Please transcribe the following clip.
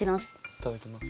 いただきます。